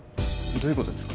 どういうことですか？